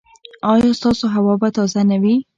ایا ستاسو هوا به تازه نه وي؟